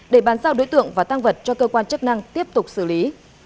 để bán sao đối tượng và tăng vật cho cơ quan chức năng tiếp tục xử lý